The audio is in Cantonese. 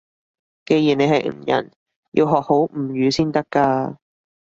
既然你係吳人，要學好吳語先得㗎